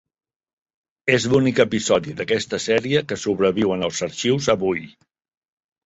És l'únic episodi d'aquesta sèrie que sobreviu en els arxius avui.